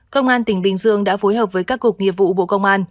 công an tỉnh bình dương đã phối hợp với các cục nghiệp vụ bộ công an